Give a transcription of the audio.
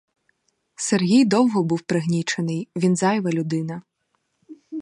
Сергій довго був пригнічений: він зайва людина.